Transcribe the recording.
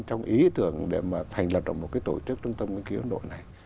trong ý tưởng để mà thành lập được một cái tổ chức trung tâm nghiên cứu ấn độ này